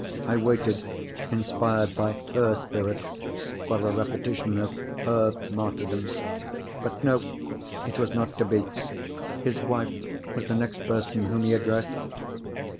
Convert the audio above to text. I waited, inspired by her spirit, for a repetition of her martyrdom. But no—it was not to be. His wife was the next person whom he addressed.